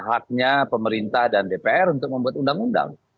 haknya pemerintah dan dpr untuk membuat undang undang